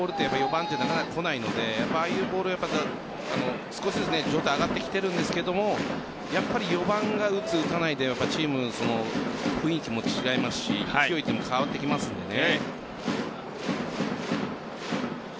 ４番はなかなか来ないのでああいうボールを少しずつ状態は上がってきているんですけどやっぱり４番が打つ、打たないでチームの雰囲気も違いますし勢いも変わってきますよね。